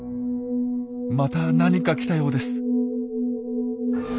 また何か来たようです。